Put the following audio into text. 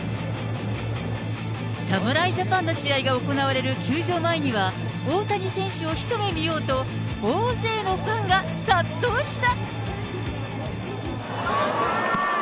侍ジャパンの試合が行われる球場前には大谷選手を一目見ようと、大勢のファンが殺到した。